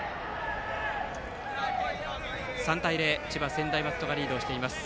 ３対０、千葉・専大松戸がリードしています。